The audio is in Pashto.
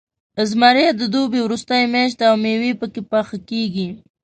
زمری د دوبي وروستۍ میاشت ده، او میوې پکې پاخه کېږي.